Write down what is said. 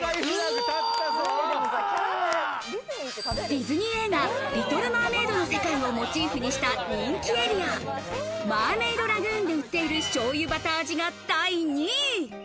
ディズニー映画『リトル・マーメイド』の世界をモチーフにした人気エリア、マーメイドラグーンで売っているしょうゆバター味が第２位。